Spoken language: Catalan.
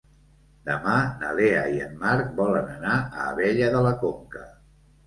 Demà na Lea i en Marc volen anar a Abella de la Conca.